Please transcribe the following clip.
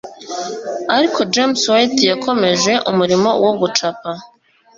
Ariko James White yakomeje umurimo wo gucapa